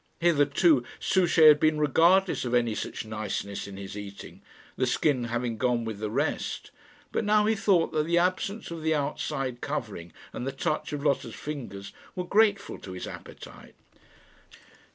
Hitherto Souchey had been regardless of any such niceness in his eating, the skin having gone with the rest; but now he thought that the absence of the outside covering and the touch of Lotta's fingers were grateful to his appetite.